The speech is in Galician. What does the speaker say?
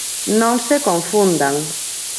Non se confundan.